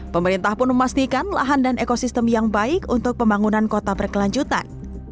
pemerintah pun memastikan lahan dan ekosistem yang baik untuk pembangunan kota berkelanjutan